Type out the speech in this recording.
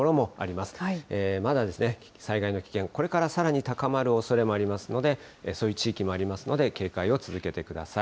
まだ災害の危険、これからさらに高まるおそれもありますので、そういう地域もありますので、警戒を続けてください。